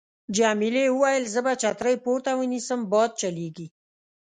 جميلې وويل:: زه به چترۍ پورته ونیسم، باد چلېږي.